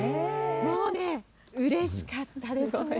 もうね、うれしかったですね。